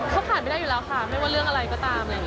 เขาขาดไปได้อยู่แล้วค่ะไม่ว่าเรื่องอะไรก็ตาม